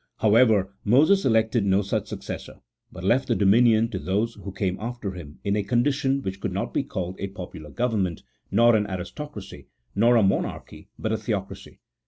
However, Moses elected no such successor, but left the dominion to those who came after him in a condition which could not be called a popular government, nor an aristocracy, nor a monarchy, but a Theocracy.